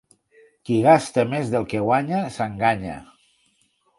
Qui gasta més del que guanya, s'enganya.